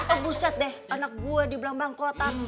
oh buset deh anak gua dibilang bangkotan